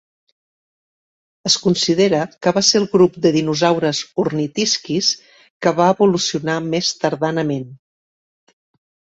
Es considera que va ser el grup de dinosaures ornitisquis que va evolucionar més tardanament.